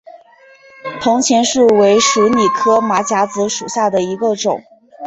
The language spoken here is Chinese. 铜钱树为鼠李科马甲子属下的一个种。